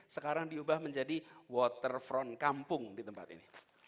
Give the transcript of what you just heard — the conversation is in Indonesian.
sekarang diubah menjadi waterfront kampung di tempat ini